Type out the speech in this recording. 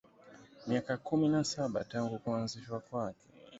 Miaka kumi na saba tangu kuanzishwa kwake